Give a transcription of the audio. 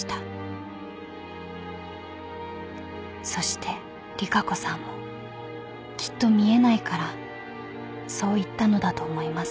［そして利佳子さんもきっと見えないからそう言ったのだと思います］